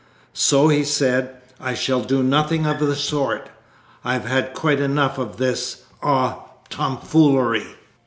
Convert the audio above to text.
So he said, "I shall do nothing of the sort. I've had quite enough of this ah tomfoolery!"